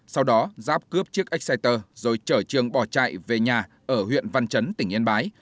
sau đó giáp cướp chiếc exciter rồi trở trường bỏ chạy về nhà ở huyện văn chấn tỉnh yên bái